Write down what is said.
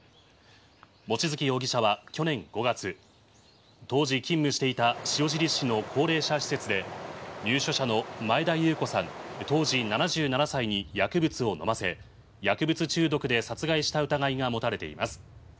望月容疑者は去年５月当時勤務していた塩尻市の高齢者施設で入所者の前田裕子さん当時７７歳に薬物を飲ませ薬物中毒で殺害した疑いが持たれています。